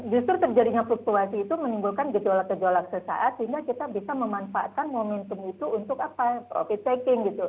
justru terjadinya fluktuasi itu menimbulkan gejolak gejolak sesaat sehingga kita bisa memanfaatkan momentum itu untuk apa profit taking gitu